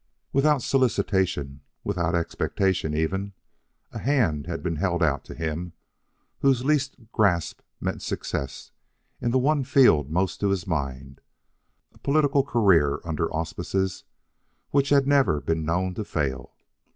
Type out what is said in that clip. Without solicitation, without expectation even, a hand had been held out to him whose least grasp meant success in the one field most to his mind, a political career under auspices which had never been known to fail.